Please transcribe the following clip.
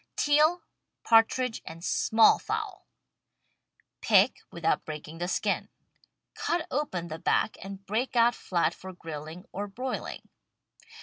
TEAL, PARTRIDGE AND SMALL FOWL Pick, without breaking the skin. Cut open the back and break out flat for grilling or broiling.